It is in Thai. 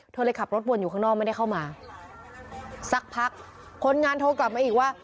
เธอเลยขับรถวนอยู่ข้างนอกไม่ได้เข้ามาสักพักคนงานโทรกลับมาอีกว่า